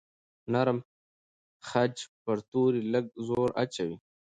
نرم خج پر توري لږ زور اچوي.